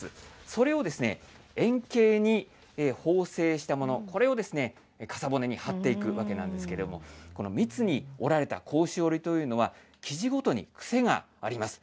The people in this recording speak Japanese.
それを円形に縫製したもの、これを傘骨に張っていくわけなんですけれども、この密に織られた甲州織というのは、生地ごとに癖があります。